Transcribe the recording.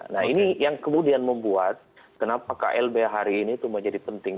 nah ini yang kemudian membuat kenapa klb hari ini itu menjadi penting